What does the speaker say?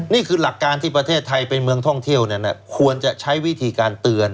นี่คือหลักการที่ประเทศไทยเป็นเมืองท่องเที่ยวนั้นควรจะใช้วิธีการเตือน